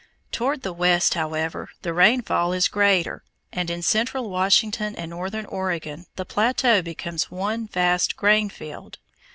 Toward the west, however, the rainfall is greater, and in central Washington and northern Oregon the plateau becomes one vast grain field.